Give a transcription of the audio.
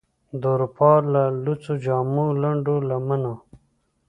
د اروپا له لوڅو جامو، لنډو لمنو،